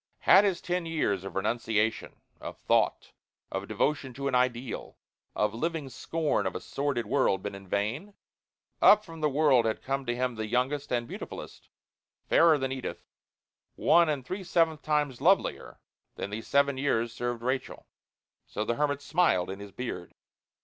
Had his ten years of renunciation, of thought, of devotion to an ideal, of living scorn of a sordid world, been in vain? Up from the world had come to him the youngest and beautifulest fairer than Edith one and three seventh times lovelier than the seven years served Rachel. So the hermit smiled in his beard.